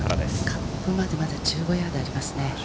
カップまで１５ヤードありますね。